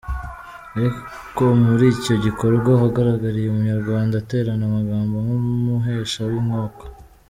Ariko muri icyo gikorwa uhagarariye umuryango aterana amagambo n’umuhesha w’inkiko.